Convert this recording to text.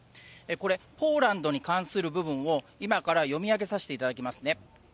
これ、ポーランドに関する部分を、今から読み上げさせていただきますね。